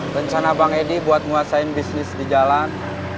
rencana bang edi buat nguasain bisnis di jalan